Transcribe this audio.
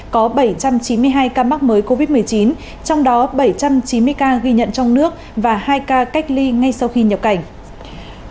có bảy trăm chín mươi hai ca mắc mới covid một mươi chín trong đó bảy trăm chín mươi ca ghi nhận trong nước và hai ca cách ly ngay sau khi nhập cảnh